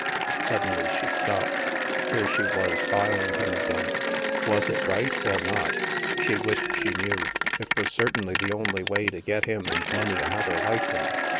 Suddenly she stopped. Here she was buying him again. Was it right, or not ? She wished she knew. It was certainly the only way to get him and many another like him.